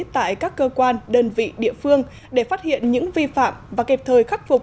tại các cơ quan đơn vị địa phương để phát hiện những vi phạm và kịp thời khắc phục